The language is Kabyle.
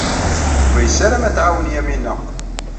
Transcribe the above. Yuba yessaram ad t-tɛawen Yamina.